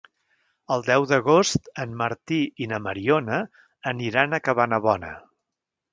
El deu d'agost en Martí i na Mariona aniran a Cabanabona.